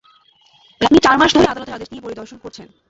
আপনি চার মাস ধরে আদালতের আদেশ নিয়ে পরিদর্শন করছেন।